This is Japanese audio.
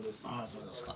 そうですか。